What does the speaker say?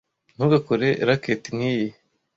Ntugakore racket nkiyi!